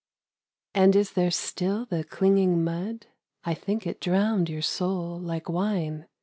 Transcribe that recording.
And is there still the clinging mud ? I think it drowned your soul like wine.